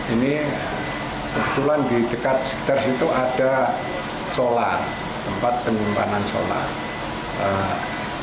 ini kebetulan di dekat sekitar situ ada solar tempat penyimpanan solar